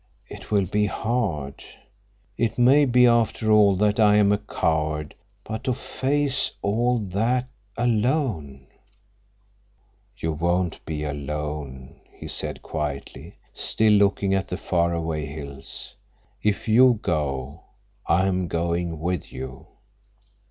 "It will be hard. It may be, after all, that I am a coward. But to face all that—alone—" "You won't be alone," he said quietly, still looking at the far away hills. "If you go, I am going with you."